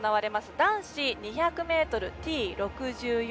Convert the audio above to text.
男子２００ｍＴ６４。